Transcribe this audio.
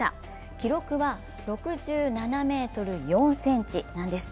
記録は６７ｍ４ｃｍなんです。